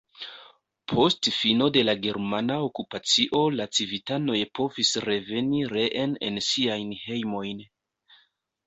Post fino de la germana okupacio la civitanoj povis reveni reen en siajn hejmojn.